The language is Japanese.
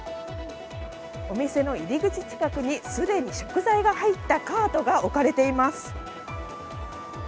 お店の入り口近くに既に食材が入ったカートが置かれています。